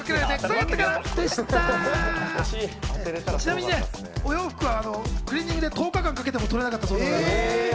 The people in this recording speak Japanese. ちなみにね、お洋服はクリーニングで１０日間かけても取れなかったそうです。